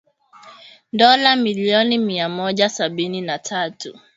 dola milioni mia moja sabini na tatu